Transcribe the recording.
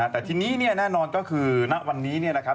แต่ที่นี่แน่นอนก็คือณวันนี้นะครับ